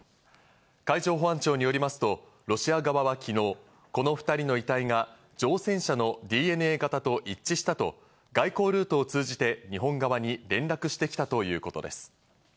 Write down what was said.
海上保安庁によりますと、ロシア側は昨日、この２人の遺体が乗船者のＤＮＡ型と一致したと外交ルートを通じて日本側に連絡してきたということです。